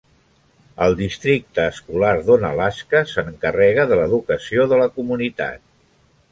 El districte escolar d'Onalaska s'encarrega de l'educació de la comunitat.